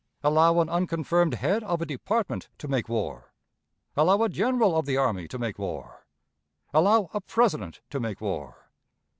Allow an unconfirmed head of a department to make war? Allow a general of the army to make war? Allow a President to make war?